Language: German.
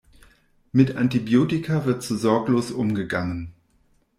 Mit Antibiotika wird zu sorglos umgegangen.